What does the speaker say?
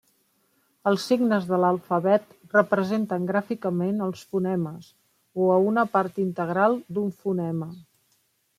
Els signes de l'alfabet representen gràficament als fonemes o a una part integral d'un fonema.